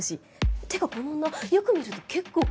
「ってかこの女よく見ると結構かわいくねえ？」。